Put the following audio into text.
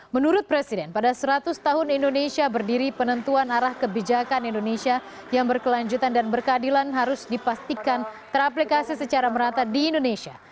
menurut presiden pada seratus tahun indonesia berdiri penentuan arah kebijakan indonesia yang berkelanjutan dan berkeadilan harus dipastikan teraplikasi secara merata di indonesia